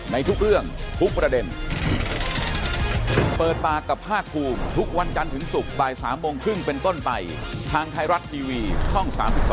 ในทุกเรื่องทุกประเด็น